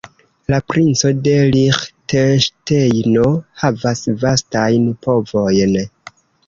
La Princo de Liĥtenŝtejno havas vastajn povojn.